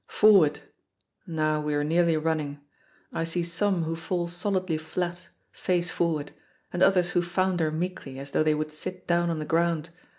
Forward! Now, we are nearly running. I see some who fall solidly flat, face forward, and others who founder meekly, as though they would sit down on the ground.